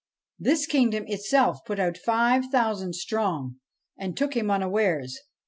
This kingdom itself put out five thousand strong, and took him unawares.